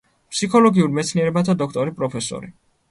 ფსიქოლოგიურ მეცნიერებათა დოქტორი, პროფესორი.